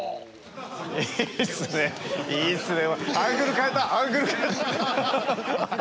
いいっすねいいっすね。